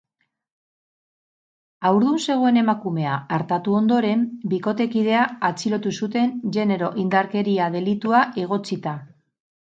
Haurdun zegoen emakumea artatu ondoren, bikotekidea atxilotu zuten genero indarkeria delitua egotzita.